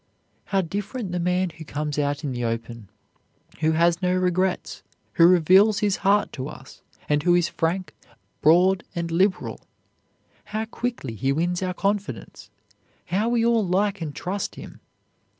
How different the man who comes out in the open, who has no secrets, who reveals his heart to us, and who is frank, broad and liberal! How quickly he wins our confidence! How we all like and trust him!